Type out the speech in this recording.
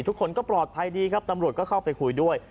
ทุกคนก็ปลอดภัยดีครับตำรวจก็เข้าไปคุยด้วย